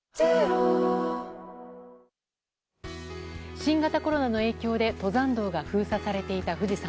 新型コロナの影響で登山道が封鎖されていた富士山。